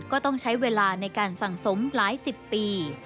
ก็ต้องใช้เวลาในการสั่งสมหลายสิบปี